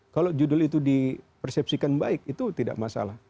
kalau judul itu di persepsikan baik itu tidak masalah